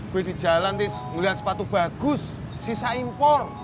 gue di jalan ngeliat sepatu bagus sisa impor